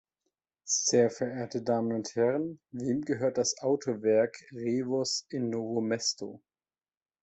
Sehr verehrte Damen und Herren, wem gehört das Autowerk Revoz in Novo Mesto?